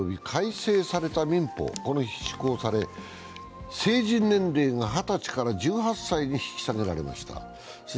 改正された民法、この日施行され成人年齢が２０歳から１８歳に引き下げられました。